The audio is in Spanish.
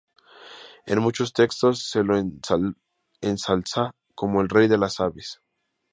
En muchos textos se lo ensalza como el rey de las aves.